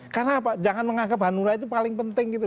karena apa jangan menganggap hanura itu paling penting gitu